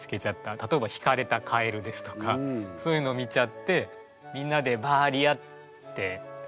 例えばひかれたカエルですとかそういうの見ちゃってみんなで「バーリア」って叫ぶ。